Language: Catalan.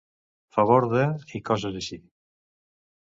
Favor de i coses així.